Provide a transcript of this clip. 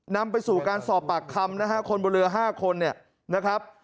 นำไปสู่การสอบปากคำนะฮะคนบนเรือ๕คนเนี่ยนะครับ